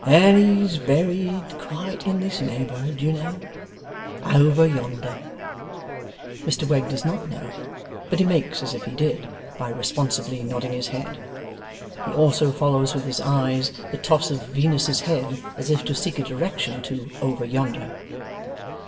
And he's buried quite in this neighbourhood, you know. Over yonder.' Mr Wegg does not know, but he makes as if he did, by responsively nodding his head. He also follows with his eyes, the toss of Venus's head: as if to seek a direction to over yonder.